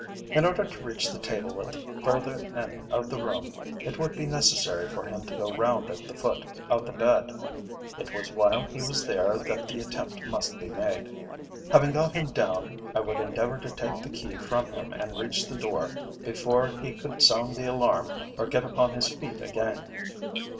In order to reach the table at the further end of the room, it would be necessary for him to go round at the foot of the bed. It was while he was there that the attempt must be made. Having got him down, I would endeavour to take the key from him and reach the door before he could sound the alarm or get upon his feet again.